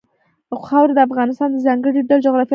خاوره د افغانستان د ځانګړي ډول جغرافیه استازیتوب کوي.